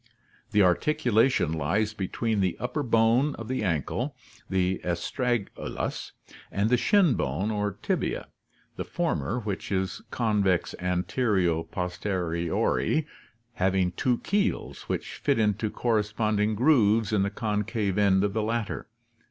The articula tion lies between the upper bone of the ankle, the astragalus, and the shin bone or tibia, the former, which is convex antero pos teriorly, having two keels which fit into corresponding grooves in the concave end of the latter.